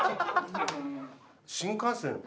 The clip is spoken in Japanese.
新幹線は？